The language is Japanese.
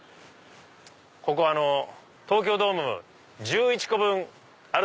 ここ東京ドーム１１個分ある。